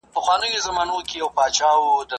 اجتماعي انډول د فردپه هویت کې شامل دی.